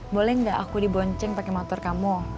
boleh nggak aku dibonceng pakai motor kamu